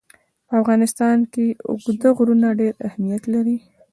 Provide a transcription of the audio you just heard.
په افغانستان کې اوږده غرونه ډېر اهمیت لري.